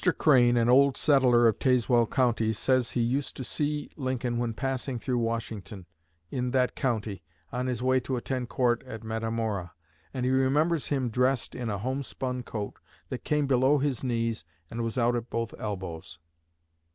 Crane, an old settler of Tazewell County, says he used to see Lincoln when passing through Washington, in that county, on his way to attend court at Metamora; and he remembers him as "dressed in a homespun coat that came below his knees and was out at both elbows."